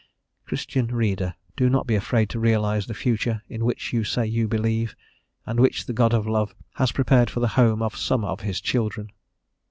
Christian reader, do not be afraid to realise the future in which you say you believe, and which the God of Love has prepared for the home of some of his children.